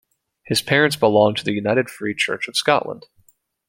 His parents belonged to the United Free Church of Scotland.